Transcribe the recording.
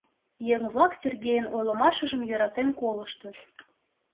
Еҥ-влак Сергейын ойлымыжым йӧратен колыштыт.